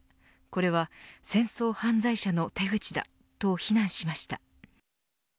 これは戦争犯罪者の手口だと非難しました。